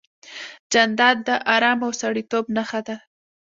جانداد د ارام او سړیتوب نښه ده.